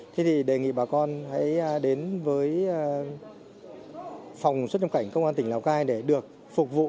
thế thì đề nghị bà con hãy đến với phòng xuất nhập cảnh công an tỉnh lào cai để được phục vụ